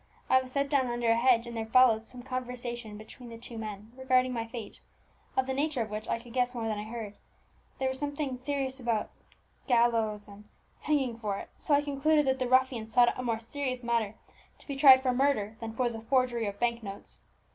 I was set down under a hedge, and there followed some conversation between the two men regarding my fate, of the nature of which I could guess more than I heard. There was something said about 'gallows' and 'hanging for it,' so I concluded that the ruffians thought it a more serious matter to be tried for murder than for the forgery of bank notes.